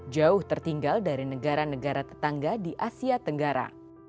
jauh tertinggal dari negara negara tetangga di asia tenggara